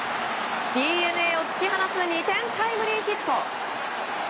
ＤｅＮＡを突き放す２点タイムリーヒット。